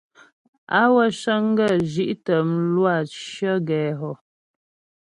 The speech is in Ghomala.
Á wə́ cə́ŋ gə zhí'tə mlwâ cyə̀ gɛ hɔ.